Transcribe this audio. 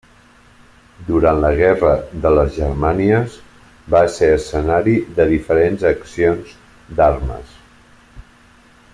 Durant la Guerra de les Germanies va ser escenari de diferents accions d'armes.